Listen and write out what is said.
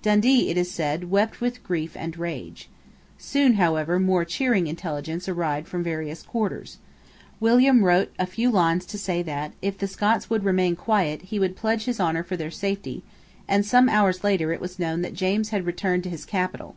Dundee, it is said, wept with grief and rage. Soon, however, more cheering intelligence arrived from various quarters. William wrote a few lines to say that, if the Scots would remain quiet, he would pledge his honour for their safety; and, some hours later, it was known that James had returned to his capital.